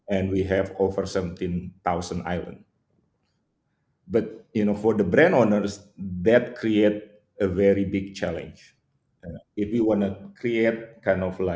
anda tahu kami menulis artikel kedua yang menggabungkan pada basis ini anda tahu jenis sma yang berbeda